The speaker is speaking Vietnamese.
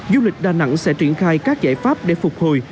du lịch đà nẵng sẽ triển khai các giải pháp để phục hồi